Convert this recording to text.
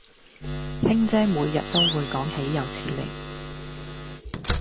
卿姐每日都會講豈有此理